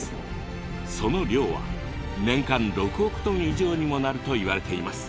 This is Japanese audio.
その量は年間６億トン以上にもなるといわれています。